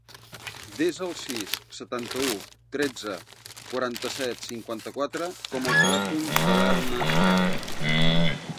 Desa el sis, setanta-u, tretze, quaranta-set, cinquanta-quatre com a telèfon de l'Elna Bel.